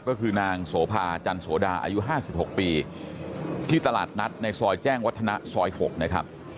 ก็คือนางโสภาจันโสดาอายุ๕๖ปีที่ตลาดนัดในซอยแจ้งวัฒนะซอย๖นะครับ